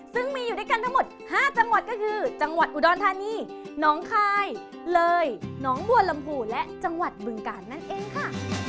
ซึ่งมีอยู่ด้วยกันทั้งหมด๕จังหวัดก็คือจังหวัดอุดรธานีน้องคายเลยน้องบัวลำพูและจังหวัดบึงกาลนั่นเองค่ะ